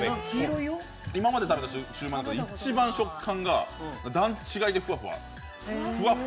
今まで食べたしゅうまいの中で一番食感が段違いでふわふわ。